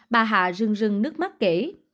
bà hạ rưng rưng nước mắt kể